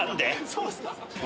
そうですか？